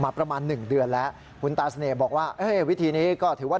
มาประมาณ๑เดือนแล้วคุณตาเสน่ห์บอกว่าเอ๊ะเฤ้วิธีนี้ก็ถือว่า